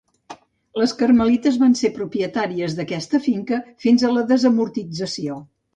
Les carmelites van ser propietàries d'aquesta finca fins a la desamortització.